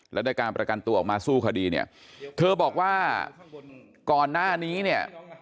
และได้การประกันตัวออกมาสู้คดีเนี่ยเธอบอกว่าก่อนหน้านี้เนี่ย